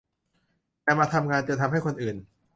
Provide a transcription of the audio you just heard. แต่มาทำงานจนทำให้คนอื่น